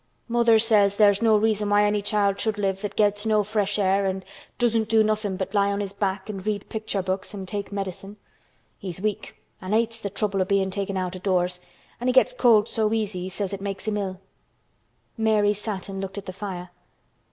"Mother says there's no reason why any child should live that gets no fresh air an' doesn't do nothin' but lie on his back an' read picture books an' take medicine. He's weak and hates th' trouble o' bein' taken out o' doors, an' he gets cold so easy he says it makes him ill." Mary sat and looked at the fire.